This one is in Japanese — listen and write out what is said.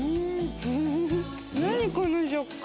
何、この食感。